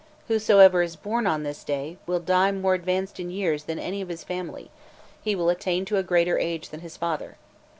Whosoever is born on this day, will die more advanced in years than any of his family; he will attain to a greater age than his father.